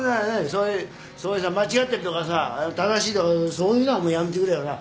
そういうさ間違ってるとかさ正しいとかそういうのはもうやめてくれよな。